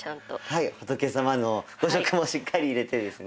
はい仏様の５色もしっかり入れてですね。